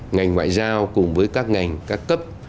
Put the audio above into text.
ngành ngoại giao cùng với các ngành các cấp